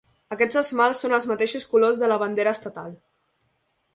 Aquests esmalts són els mateixos colors de la bandera estatal.